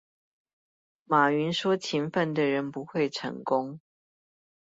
馬雲說勤奮的人不會成功